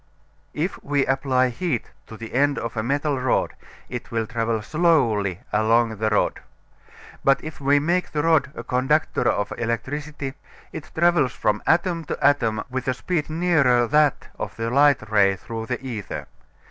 If we apply heat to the end of a metal rod it will travel slowly along the rod. But if we make the rod a conductor of electricity it travels from atom to atom with a speed nearer that of the light ray through the ether.